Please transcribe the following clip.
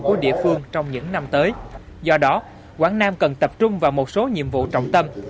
của địa phương trong những năm tới do đó quảng nam cần tập trung vào một số nhiệm vụ trọng tâm